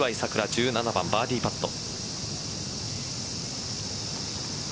１７番バーディーパット。